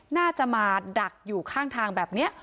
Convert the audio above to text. น่าจะมาดักอยู่ข้างทางแบบนี้